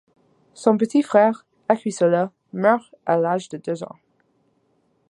Son petit frère, Akuisola, meurt à l'âge de deux ans.